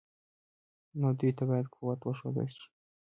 نو دوی ته باید قوت وښودل شي.